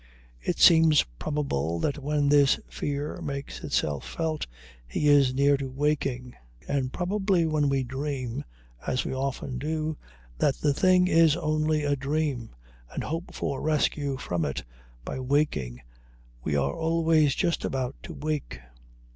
It seems probable that when this fear makes itself felt he is near to waking; and probably when we dream, as we often do, that the thing is only a dream, and hope for rescue from it by waking, we are always just about to wake.